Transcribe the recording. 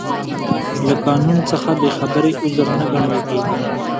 له قانون څخه بې خبري عذر نه ګڼل کیږي.